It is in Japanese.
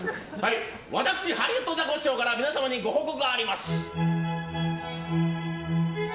私ハリウッドザコシシショウから皆様にご報告があります。